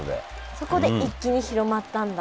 そこで一気に広まったんだ。